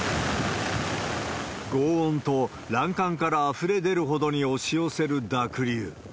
ごう音と、欄干からあふれ出るほどに押し寄せる濁流。